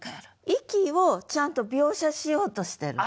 息をちゃんと描写しようとしてると。